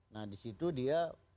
nah di situ dia